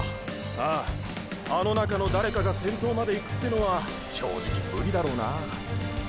あああの中の誰かが先頭までいくってのは正直無理だろうな。